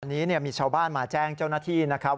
อันนี้มีชาวบ้านมาแจ้งเจ้าหน้าที่นะครับ